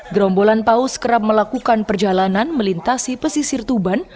gerombolan paus kerap melakukan perjalanan melintasi pesisir tuban